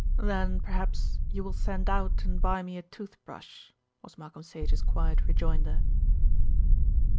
"Then, perhaps, you will send out and buy me a tooth brush," was Malcolm Sage's quiet rejoinder.